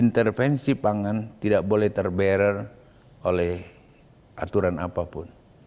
intervensi pangan tidak boleh terbarrier oleh aturan apapun